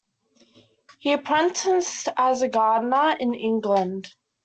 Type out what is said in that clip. He apprenticed as a gardener in England.